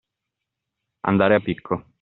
Andare a picco.